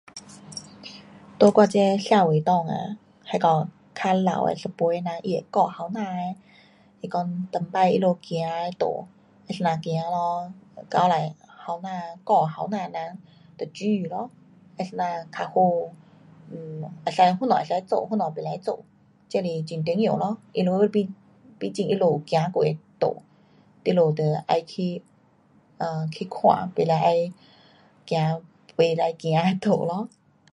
在我这社会内啊，那个较老的一辈的人，他会教年轻的，是讲以前他们走的路，啊怎样走咯，交代年轻，教年轻人得注意咯，啊怎样较好，[um]什么可以做，什么不可以做。这是很重要咯，他们，毕竟他们有走过的路。你们得要去[um]去看不可再走不可走的路咯。